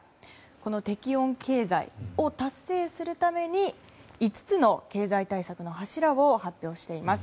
この適温経済を達成するために５つの経済対策の柱を発表しています。